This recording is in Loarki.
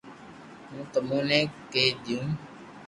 ھون تموني ڪئي ديو